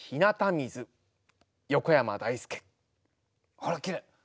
あらきれい！